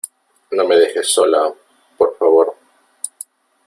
no me dejes sola , por favor .